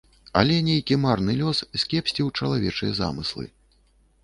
Але нейкі марны лёс скепсціў чалавечыя замыслы.